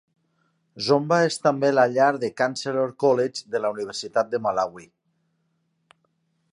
Zomba és també la llar de Chancellor College de la Universitat de Malawi.